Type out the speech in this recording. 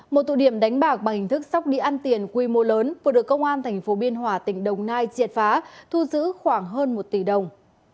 một tụ điểm đánh bạc bằng hình thức sóc đĩa ăn tiền quy mô lớn vừa được công an tp biên hòa tỉnh đồng nai triệt phá thu giữ khoảng hơn một tỷ đồng